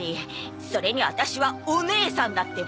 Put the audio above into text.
それにワタシはお姉さんだってば。